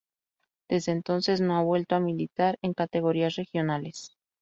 Desde entonces no ha vuelto a militar en categorías regionales.